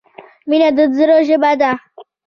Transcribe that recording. مینه د زړه ژبه ده.